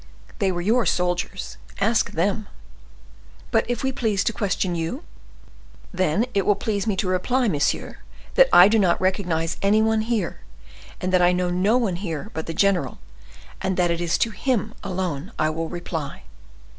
They were your soldiers, ask them." "But if we please to question you?" "Then it will please me to reply, monsieur, that I do not recognize any one here, that I know no one here but the general, and that it is to him alone I will reply."